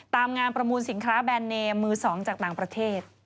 ตามงานประมูลสินค้าแบรนดเนมมือ๒จากต่างประเทศ